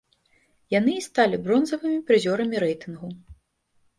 Яны і сталі бронзавымі прызёрамі рэйтынгу.